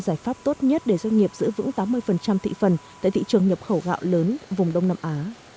giải pháp tốt nhất để doanh nghiệp giữ vững tám mươi thị phần tại thị trường nhập khẩu gạo lớn vùng đông nam á